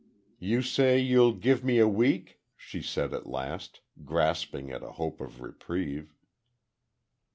"You say you'll give me a week?" she said, at last, grasping at a hope of reprieve.